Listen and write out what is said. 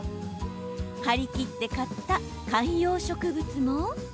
はりきって買った観葉植物も？